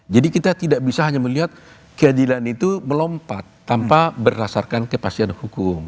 jadi kita tidak bisa hanya melihat keadilan itu melompat tanpa berdasarkan kepastian hukum